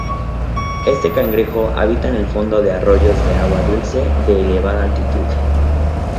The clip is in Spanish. Este cangrejo habita en el fondo de arroyos de agua dulce de elevada altitud.